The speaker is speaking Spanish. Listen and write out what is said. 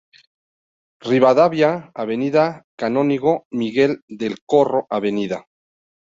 Rivadavia, Avenida Canónigo Miguel del Corro, Av.